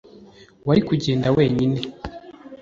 Wari kugenda wenyine